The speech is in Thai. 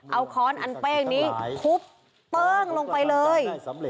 เอาค้อนอันเป้งนี้ทุบเติ้งลงไปเลย